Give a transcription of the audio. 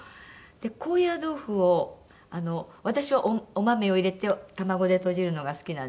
で高野豆腐を私はお豆を入れて卵でとじるのが好きなんです。